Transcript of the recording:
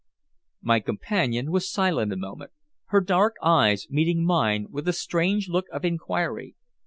My companion was silent a moment, her dark eyes meeting mine with a strange look of inquiry.